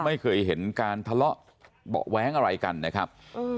ไม่เคยเห็นการทะเลาะเบาะแว้งอะไรกันนะครับ